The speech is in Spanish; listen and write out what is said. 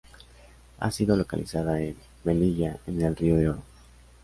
Ha sido localizada en Melilla, en el río de Oro.